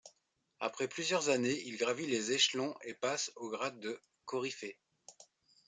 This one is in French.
Après plusieurs années il gravit les échelons et passe au grade de Coryphée.